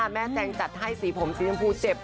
แจงจัดให้สีผมสีชมพูเจ็บ